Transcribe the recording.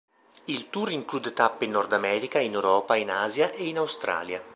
Il tour include tappe in Nord America, in Europa, in Asia e in Australia.